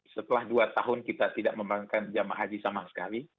setelah dua tahun kita tidak memerankan jamaah haji sama sekali